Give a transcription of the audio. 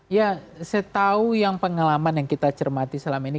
ya setahu yang pengalaman yang kita cermati selama ini